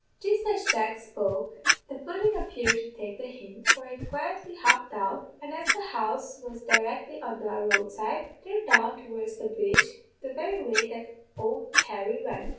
"Jist as Jack spoke the pudden appeared to take the hint, for it quietly hopped out, and as the house was directly on the road side, turned down towards the bridge, the very way that ould Harry went.